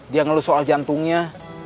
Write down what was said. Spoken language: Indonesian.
dia ngeluh soal jantungnya